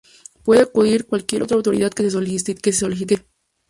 Puede acudir cualquier otra autoridad que se solicite.